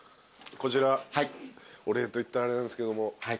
こちらお礼といったらあれなんですけども。